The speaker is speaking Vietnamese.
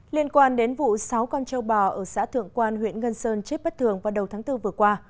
liên quan đến vụ sáu con trâu bò ở xã thượng quan huyện ngân sơn chết bất thường vào đầu tháng bốn vừa qua